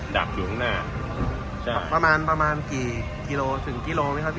ดักอยู่ข้างหน้าจับประมาณประมาณกี่กิโลถึงกิโลไหมครับ